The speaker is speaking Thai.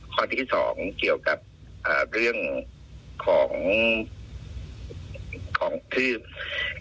ควันนี้จุดออกมันคือมันมีทั้งสิ่งเทียมอาวุธ